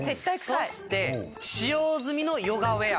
そして使用済みのヨガウェア。